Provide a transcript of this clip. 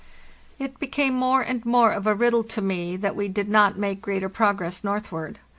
It became more and more of a riddle to me that we did not make greater progress northward.